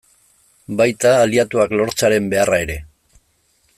Baita, aliatuak lortzearen beharra ere.